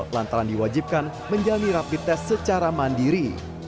lantaran diwajibkan menjalani rapi tes secara mandiri